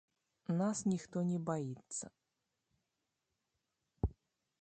Нас ніхто не баіцца.